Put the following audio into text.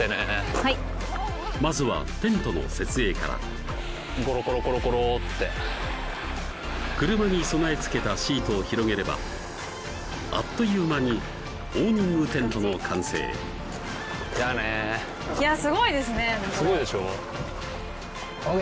はいまずはテントの設営からゴロゴロゴロゴロって車に備え付けたシートを広げればあっという間にオーニングテントの完成屋根すごいでしょいや